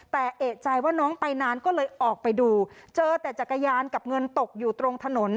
แต่เอกใจว่าน้องไปนานก็เลยออกไปดูเจอแต่จักรยานกับเงินตกอยู่ตรงถนน